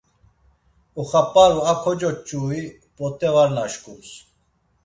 Oxap̌aru a kocoç̌ui p̌ot̆e var naşkums.